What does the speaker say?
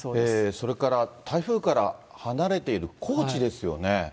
それから、台風から離れている高知ですよね。